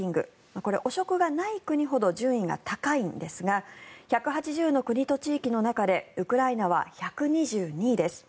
これ、汚職がない国ほど順位が高いんですが１８０の国と地域の中でウクライナは１２２位です。